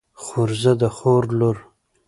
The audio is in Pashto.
خورزه د خور لور.